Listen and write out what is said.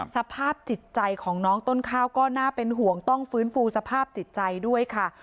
สภาพจิตใจของน้องต้นข้าวก็น่าเป็นห่วงต้องฟื้นฟูสภาพจิตใจด้วยค่ะ